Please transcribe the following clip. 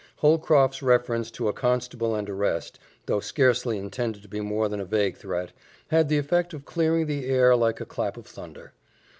Holcroft's reference to a constable and arrest, though scarcely intended to be more than a vague threat, had the effect of clearing the air like a clap of thunder.